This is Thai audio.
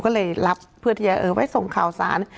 ก็เลยรับเพื่อเทียเออไปส่งข่าวสาร